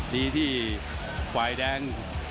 ดีที่ฝ่ายแดง